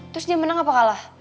terus dia menang apa kalah